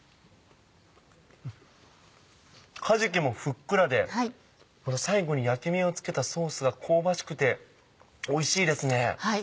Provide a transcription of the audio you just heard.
かじきもふっくらでこの最後に焼き目をつけたソースが香ばしくておいしいですね。